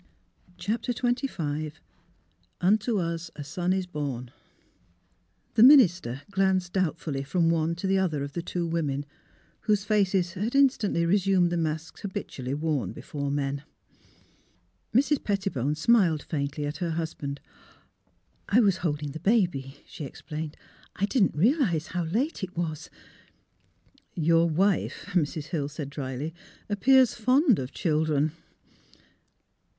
CHAPTER XXV " UNTO US A SON IS BORN " The minister glanced doubtfully from one to the other of the two women, whose faces had instantly resumed the masks habitually worn before men. Mrs. Pettibone smiled faintly at her husband. ^' I — was holding the baby," she explained. " I didn't realise how — late it was." '' Your wife," Mrs. Hill said, dryly, " appears fond of children."